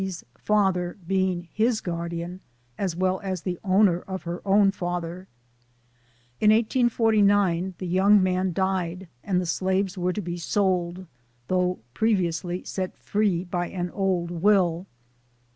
's father being his guardian, as w r ell as the owner of her own father. In 1849 the young man died, and the slaves were to be sold, though pre viously set free by an old will.